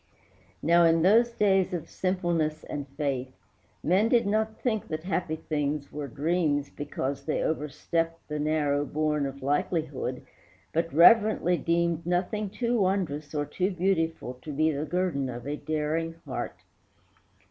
Now, in those days of simpleness and faith, Men did not think that happy things were dreams Because they overstepped the narrow bourne Of likelihood, but reverently deemed Nothing too wondrous or too beautiful To be the guerdon of a daring heart.